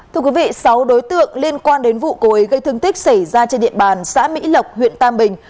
thưa quý vị sáu đối tượng liên quan đến vụ cố ý gây thương tích xảy ra trên địa bàn xã mỹ lộc huyện tam bình